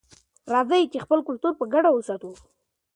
راځئ چې خپل کلتور په ګډه وساتو.